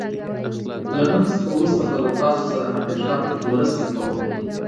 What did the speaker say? له نن څخه وروسته به له تاسو همېشه مرسته کوم.